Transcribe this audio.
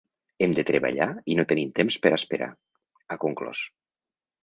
Hem de treballar i no tenim temps per esperar, ha conclòs.